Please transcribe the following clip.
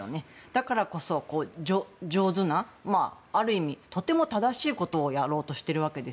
だからこそ上手なある意味とても正しいことをやろ打ちしていると。